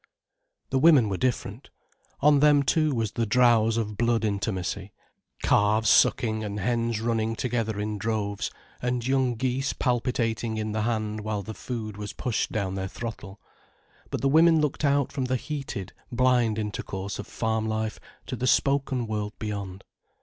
The women were different. On them too was the drowse of blood intimacy, calves sucking and hens running together in droves, and young geese palpitating in the hand while the food was pushed down their throttle. But the women looked out from the heated, blind intercourse of farm life, to the spoken world beyond.